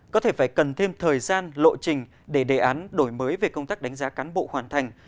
có thể phải cần thêm thời gian lộ trình để đề án đổi mới về công tác đánh giá cán bộ hoàn thành